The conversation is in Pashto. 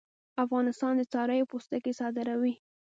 افغانستان د څارویو پوستکي صادروي